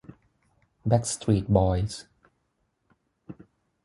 แบ็กสตรีทบอยส์